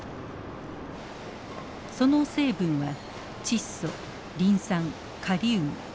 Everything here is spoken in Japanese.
その成分は窒素リン酸カリウム。